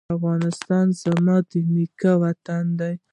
افغانستان زما د نیکه وطن دی؟